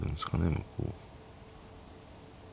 向こう。